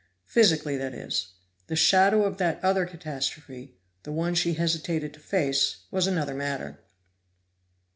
Physically, that is; the shadow of that other catastrophe, the one she hesitated to face, was another matter.